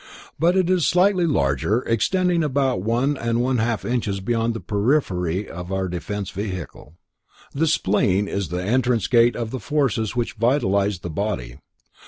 But it is slightly larger, extending about one and one half inches beyond the periphery of our dense vehicle. The spleen is the entrance gate of forces which vitalize the body.